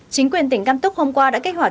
chính quyền tỉnh cam túc hôm qua đã kích hoạt